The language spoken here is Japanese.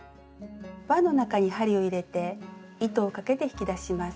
わの中に針を入れて糸をかけて引き出します。